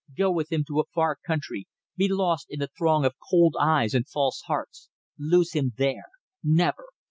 Go with him to a far country, be lost in the throng of cold eyes and false hearts lose him there! Never!